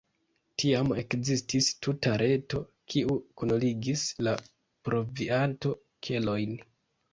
Tiam ekzistis tuta reto, kiu kunligis la provianto-kelojn.